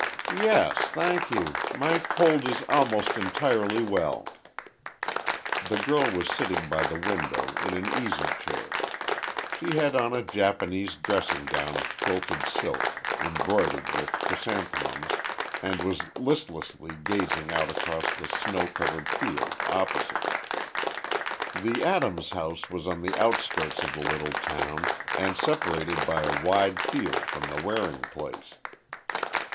"Yes, thank you. My cold is almost entirely well." The girl was sitting by the window, in an easy chair. She had on a Japanese dressing gown of quilted silk, embroidered with chrysanthemums, and was listlessly gazing out across the snow covered field opposite. The Adams house was on the outskirts of the little town, and separated by a wide field from the Waring place.